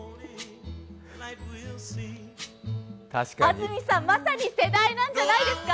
安住さん、まさに世代なんじゃないですか？